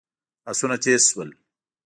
آسونه تېز شول.